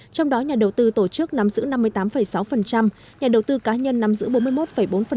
trong đó nhà đầu tư tổ chức nắm giữ năm mươi tám sáu nhà đầu tư cá nhân nắm giữ bốn mươi một bốn